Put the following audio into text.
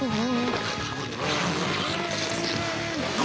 あ。